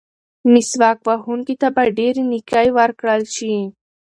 مسواک وهونکي ته به ډېرې نیکۍ ورکړل شي.